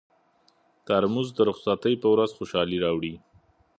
ترموز د رخصتۍ پر ورځ خوشالي راوړي.